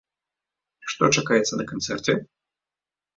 Што чакаць на канцэрце?